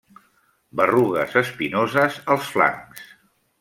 Berrugues espinoses als flancs.